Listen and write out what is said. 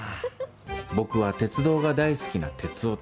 僕は鉄道が大好きな鉄オタ。